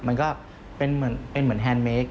มันก็เป็นเหมือนแฮนดเมค